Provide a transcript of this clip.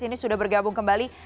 ini sudah bergabung kembali